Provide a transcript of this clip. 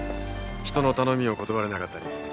人の頼みを断れなかったり。